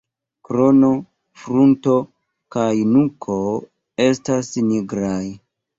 Krono, frunto kaj nuko estas nigraj.